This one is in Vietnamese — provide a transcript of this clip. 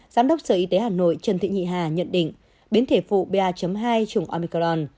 cám đốc sở y tế hà nội trần thị nhị hà nhận định biến thể phụ pa hai trùng omicron